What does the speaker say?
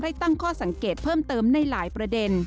ตั้งข้อสังเกตเพิ่มเติมในหลายประเด็น